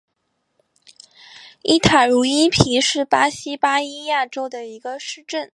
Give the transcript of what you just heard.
伊塔茹伊皮是巴西巴伊亚州的一个市镇。